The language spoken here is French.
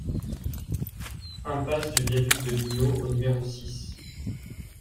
Impasse du Viaduc de Millau au numéro six